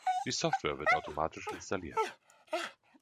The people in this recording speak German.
Die Software wird automatisch installiert.